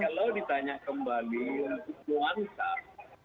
kalau ditanya kembali kuantar